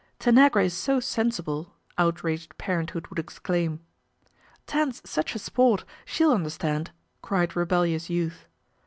" Tan agra is so sensible," outraged parenthood would exclaim ;" Tan's such a sport. She'll under stand," cried rebellious youth.